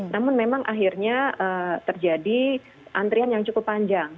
namun memang akhirnya terjadi antrian yang cukup panjang